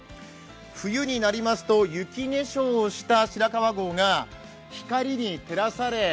冬になりますと、雪化粧した白川郷が光に照らされ